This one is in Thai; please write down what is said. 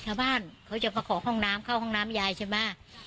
ชาวบ้านเขาจะขอห้องน้ำเข้าห้องน้ำยายใช่ไหม